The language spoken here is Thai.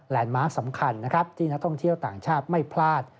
มาร์คสำคัญนะครับที่นักท่องเที่ยวต่างชาติไม่พลาด